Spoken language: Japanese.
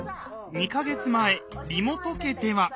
２か月前梨本家では。